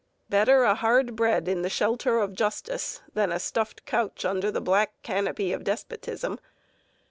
Better a hard bed in the shelter of justice than a stuffed couch under the black canopy of despotism.